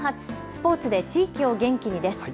スポーツで地域を元気にです。